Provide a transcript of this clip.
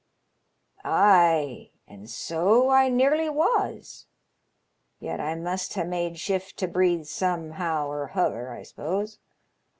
"Ay, an' so I nearly was. Yet I must ha' made shift to breathe somehow or huther, I suppose.